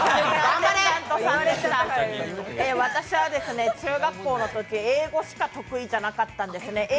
私は中学校のとき英語しか得意じゃなかったんですね。